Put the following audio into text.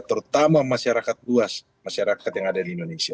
terutama masyarakat luas masyarakat yang ada di indonesia